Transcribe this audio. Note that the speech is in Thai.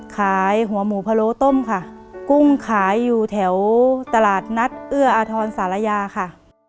ขายหัวหมูพะโล้ต้มค่ะกุ้งขายอยู่แถวตลาดนัดเอื้ออาทรสารยาค่ะ